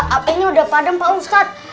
apinya udah padam pak ustadz